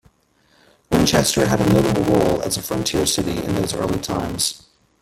Winchester had a notable role as a frontier city in those early times.